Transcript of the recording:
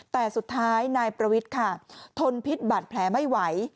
แต่สุดท้ายนายประวิทย์ค่ะทนพิษบัตรแผลไม่ไหว